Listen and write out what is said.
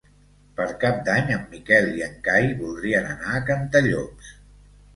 Per Cap d'Any en Miquel i en Cai voldrien anar a Cantallops.